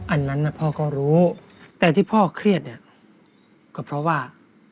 อันนั้นพ่อก็รู้แต่ที่พ่อเครียดเนี่ยก็เพราะว่า